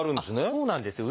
そうなんですよ。